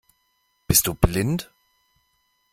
Bist du blind?